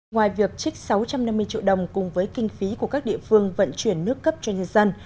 ngoài việc trích sáu trăm năm mươi triệu đồng cùng với kinh phí của các địa phương vận chuyển nước cấp cho nhân dân